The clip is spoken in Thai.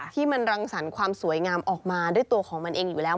ที่มันรังสรรค์ความสวยงามออกมาด้วยตัวของมันเองอยู่แล้ว